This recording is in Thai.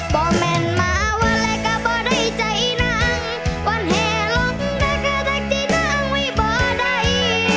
พ่อมารวร้ายแล้วก็กลับไปใจน้างวันเวลระก็จากที่นั่งไว้ปล่อยได้